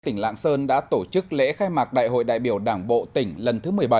tỉnh lạng sơn đã tổ chức lễ khai mạc đại hội đại biểu đảng bộ tỉnh lần thứ một mươi bảy